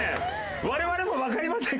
我々もわかりません